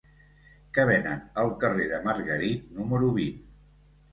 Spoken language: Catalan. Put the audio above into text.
Què venen al carrer de Margarit número vint?